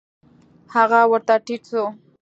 هغه ورته ټيټ سو.